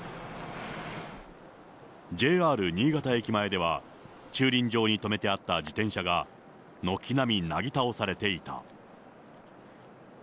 ＪＲ新潟駅前では、駐輪場に止めてあった自転車が、軒並みなぎ倒されていた。